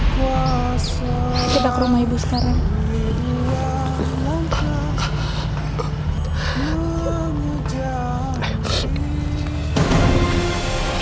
kita ke rumah ibu sekarang